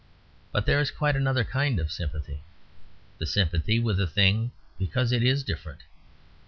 But there is quite another kind of sympathy the sympathy with a thing because it is different.